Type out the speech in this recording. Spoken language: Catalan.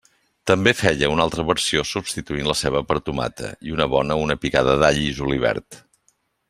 També feia una altra versió, substituint la ceba per tomata i una bona una picada d'all i julivert.